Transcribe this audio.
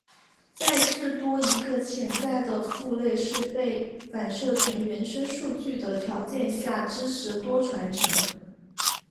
在至多一个潜在的父类是被反射成原生数据的条件下支持多继承。